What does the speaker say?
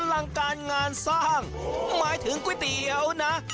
ลังการงานสร้างหมายถึงก๋วยเตี๋ยวนะ